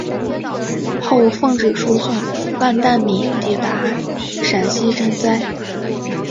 后奉旨输送万石米抵达陕西赈灾。